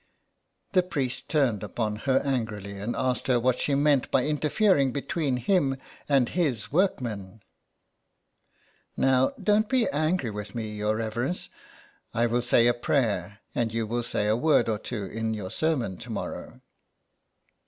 The priest turned upon her angrily and asked her what she meant by interfering between him and his workmen. '^ Now don't be angry with me, your reverence. I will say a prayer, and you will say a word or two in your sermon to morrow."